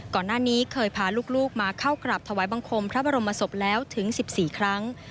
ก่อนหน้านี้เคยพาลูกมาเข้ากราบถวายบังคมพระบรมศพแล้วถึง๑๔ครั้ง